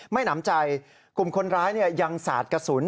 หนำใจกลุ่มคนร้ายยังสาดกระสุน